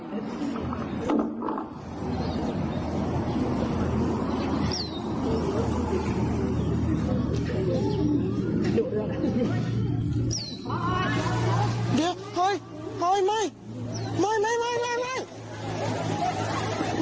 พอจะทำเรื่องนี้ให้ดำกว่าที่เขาทำนะครับ